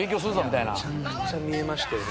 めちゃくちゃ見えましたよね。